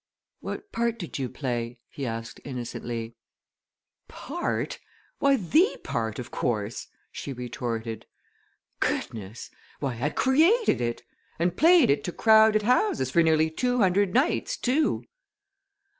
"What part did you play?" he asked innocently. "Part? Why, the part, of course!" she retorted. "Goodness! Why, I created it! And played it to crowded houses for nearly two hundred nights, too!"